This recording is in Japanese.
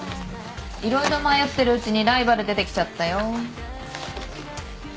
色々迷ってるうちにライバル出てきちゃったよ。